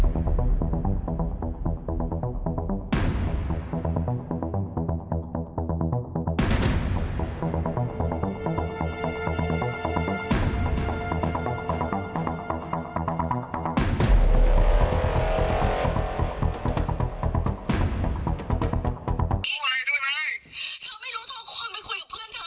แล้วเธอมาย่วงกับเราทำไมเธอมาย่วงกับเราบอกตัวเองมั้ยตัวเองเป็นคนโทรมา